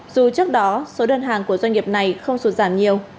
dù trước đó số đơn hàng của doanh nghiệp này không xuất giảm nhiều